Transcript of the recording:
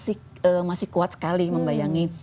itu memang masih kuat sekali membayangi